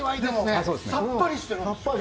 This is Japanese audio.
あと、さっぱりしてる。